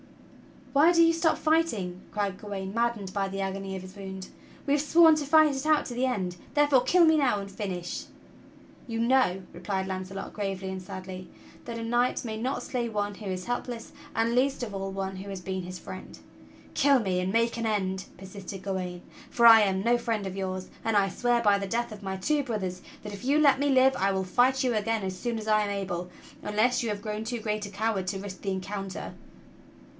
"Why do you stop fighting.?" cried Gawain, maddened by the agony of his wound. "We have sworn to fight it out to the end, therefore kill me now and finish." "You know," replied Launcelot gravely and sadly, "that a knight may not slay one who is helpless and least of all one who has been his friend." "Kill me and make an end!" persisted Gawain, "for I am no friend of yours; and I swear by the death of my two brothers that if you let me live I will fight you again as soon as I am able, unless you have grown too great a coward to risk the encounter!"